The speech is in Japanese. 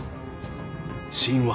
死因は？